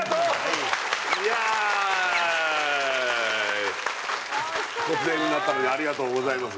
イエーイ突然だったのにありがとうございます